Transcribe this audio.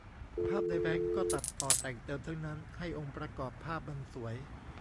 ภาพในแบงค์ก็ตัดต่อแต่งเติมทั้งนั้นให้องค์ประกอบภาพมันสวย